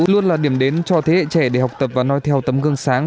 luôn là điểm đến cho thế hệ trẻ để học tập và nói theo tấm gương sáng